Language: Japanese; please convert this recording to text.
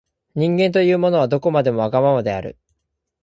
人間というものは、どこまでもわがままである。